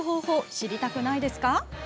知りたくないですか？